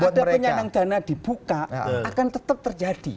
kalau ada penyandang dana dibuka akan tetap terjadi